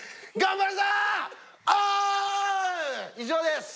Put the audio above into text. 以上です。